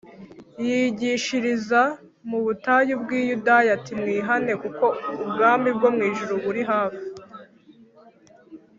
yigishiriza mu butayu bw’i Yudaya ati“Mwihane kuko ubwami bwo mu ijuru buri hafi